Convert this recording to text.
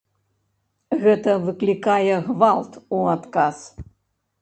Гэта выклікае гвалт у адказ.